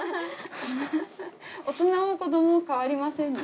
大人も子どもも変わりませんね